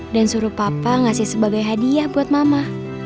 dan suruh papa ngasih sebagai hadiah buat mama